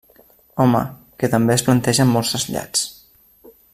Home, que també es plantegen molts trasllats.